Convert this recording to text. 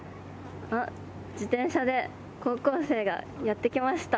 自転車で高校生がやってきました。